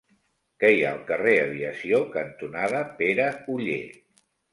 Què hi ha al carrer Aviació cantonada Pere Oller?